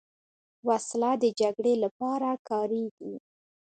وسله د جګړې لپاره کارېږي